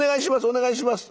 お願いします」。